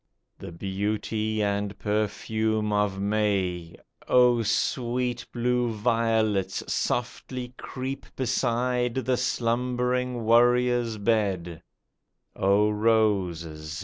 The beauty and perfume of May ! O sweet blue violets ! softly creep Beside the slumbering warrior's bed ; O roses